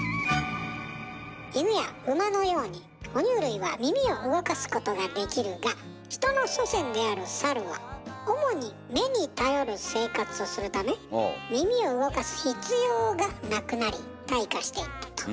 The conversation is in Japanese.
イヌやウマのようにほ乳類は耳を動かすことができるがヒトの祖先であるサルは主に目に頼る生活をするため耳を動かす必要がなくなり退化していったと。